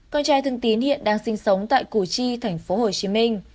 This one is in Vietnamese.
con trai thường tín hiện đang sinh sống tại củ chi tp hcm